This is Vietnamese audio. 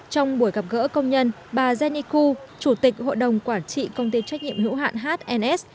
trong buổi gặp gỡ công nhân bà eny ku chủ tịch hội đồng quản trị công ty trách nhiệm hữu hạn hns